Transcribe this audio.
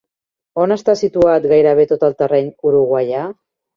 On està situat gairebé tot el terreny uruguaià?